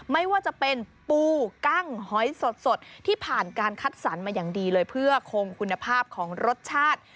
ไม่ว่าจะเป็นปูกั้งหอยสดที่ผ่านการคัดสรรมาอย่างดีเลยเพื่อคงคุณภาพของรสชาติ